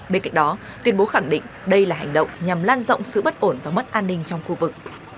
bên cạnh đó tuyên bố khẳng định đây là hành động nhằm lan rộng sự bất ổn và mất an ninh trong khu vực